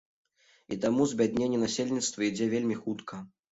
І таму збядненне насельніцтва ідзе вельмі хутка.